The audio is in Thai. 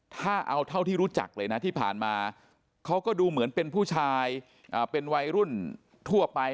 ถ้าเอาเท่าที่รู้จักเลยนะที่ผ่านมาเขาก็ดูเหมือนเป็นผู้ชายเป็นวัยรุ่นทั่วไป